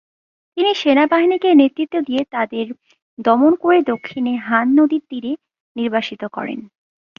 তিনি সেনাবাহিনীকে নেতৃত্ব দিয়ে তাদের দমন করে দক্ষিণে হান নদীর তীরে নির্বাসিত করেন।